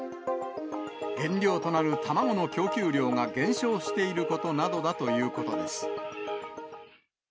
原料となる卵の供給量が減少していることなどだということです。